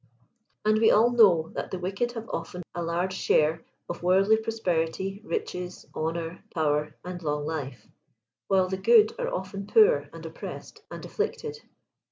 And we all know that the wicked have often a large share of worldly prosperity, riches, honor, power and long life; while the good are often poot and oppressed and afflicted.